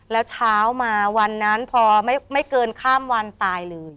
แล้วเช้ามาวันนั้นพอไม่เกินข้ามวันตายเลย